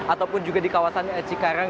ataupun juga di kawasan cikarang